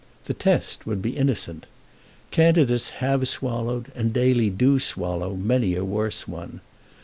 The test would be innocent. Candidates have swallowed, and daily do swallow, many a worse one.